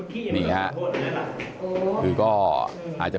ทีมข่าวเราก็พยายามสอบปากคำในแหบนะครับ